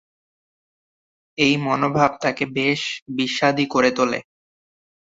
এই মনোভাব তাকে বেশ বিস্বাদী করে তোলে।